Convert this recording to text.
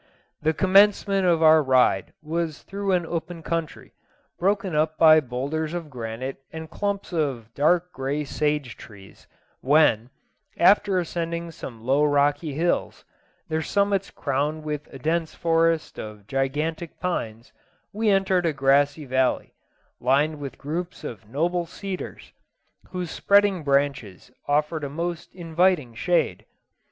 The commencement of our ride was through an open country, broken up by boulders of granite and clumps of dark grey sage trees, when, after ascending some low rocky hills, their summits crowned with a dense forest of gigantic pines, we entered a grassy valley, lined with groups of noble cedars, whose spreading branches offered a most inviting shade.